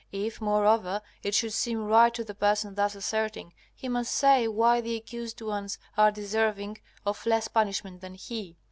If, moreover, it should seem right to the person thus asserting, he must say why the accused ones are deserving of less punishment than he.